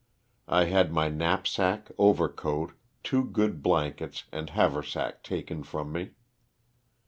I had my knapsack, overcoat, two good blankets, and haversack taken from me.